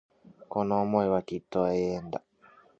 この思いはきっと永遠だ